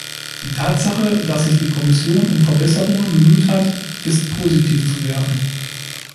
Die Tatsache, dass sich die Kommission um Verbesserungen bemüht hat, ist positiv zu werten.